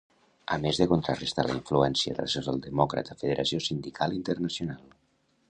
A més de contrarestar la influència de la socialdemòcrata Federació Sindical Internacional.